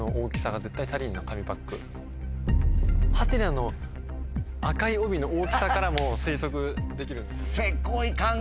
「？」の赤い帯の大きさからも推測できるんですよね。